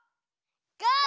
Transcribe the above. ゴー！